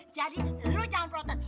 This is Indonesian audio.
jadi lu jangan protes